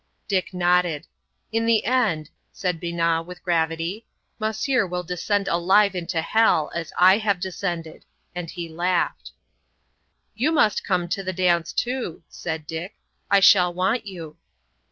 Dick nodded. "In the end," said Binat, with gravity, "Monsieur will descend alive into hell, as I have descended." And he laughed. "You must come to the dance, too," said Dick; "I shall want you."